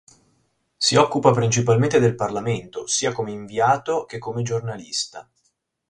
Si occupa principalmente del Parlamento, sia come inviato che come giornalista.